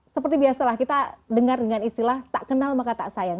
seperti biasalah kita dengar dengan istilah tak kenal maka tak sayang